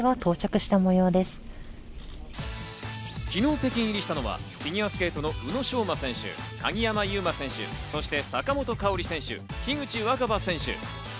昨日、北京入りしたのはフィギュアスケートの宇野昌磨選手、鍵山優真選手、そして坂本花織選手、樋口新葉選手。